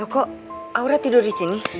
kok aura tidur di sini